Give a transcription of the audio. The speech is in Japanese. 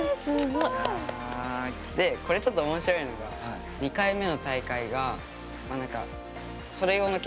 でこれちょっと面白いのが２回目の大会がダメになる？